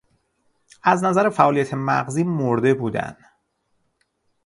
از نظر فعالیت مغزی مرده بودن